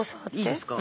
いいですか？